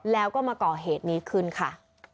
แล้วก็มาก่อเหตุนี้ขึ้นค่ะ